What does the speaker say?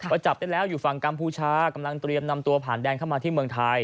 จับได้แล้วอยู่ฝั่งกัมพูชากำลังเตรียมนำตัวผ่านแดนเข้ามาที่เมืองไทย